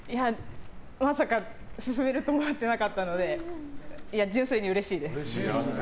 まさか進めると思ってなかったので純粋にうれしいです。